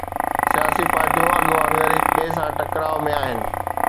سياسي پارٽيون اڳ وانگر هڪ ٻئي سان ٽڪراءَ ۾ آهن.